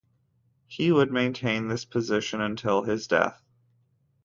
He would maintain this position until his death.